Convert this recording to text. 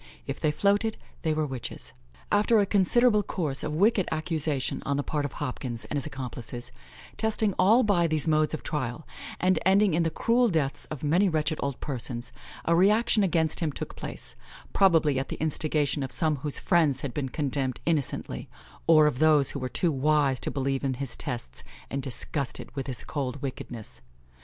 If they floated, they were witches. After a considerable course of wicked accusation on the part of Hopkins and his accomplices, testing all by these modes of trial, and ending in the cruel deaths of many wretched old persons, a reaction against him took place, probably at the instigation of some whose friends had been condemned innocently, or of those who were too wise to believe in his tests, and disgusted with his cold wickedness.